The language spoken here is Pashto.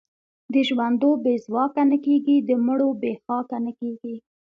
د ژوندو بې ځواکه نه کېږي، د مړو بې خاکه نه کېږي.